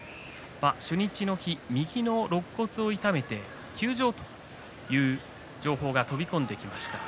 初日の日右のろっ骨を痛めて休場という情報は飛び込んできました。